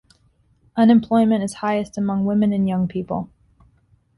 Unemployment is highest among women and young people.